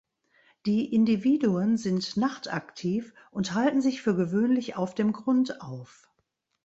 Die Individuen sind nachtaktiv und halten sich für gewöhnlich auf dem Grund auf.